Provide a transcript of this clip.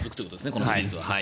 このシリーズは。